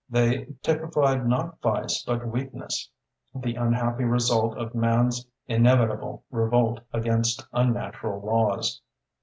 They typified not vice but weakness, the unhappy result of man's inevitable revolt against unnatural laws.